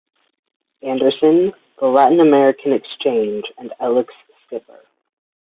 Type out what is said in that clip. Anderson, the Latin American Xchange, and Elix Skipper.